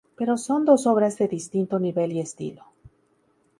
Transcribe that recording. Pero son dos obras de distinto nivel y estilo.